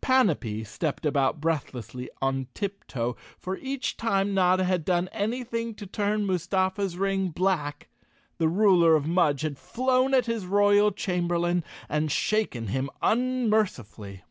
Panapee stepped about breathlessly on tiptoe, for each time Notta had done anything to turn Mustafa's ring black the ruler of Mudge had flown at his royal chamberlain and shaken him unmercifully.